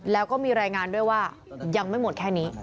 แล้วก็มีรายงานด้วยว่ายังไม่หมดแค่นี้